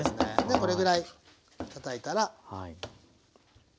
これぐらいたたいたら。